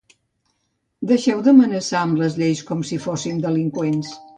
Deixeu d’amenaçar amb les lleis com si fóssim delinqüents.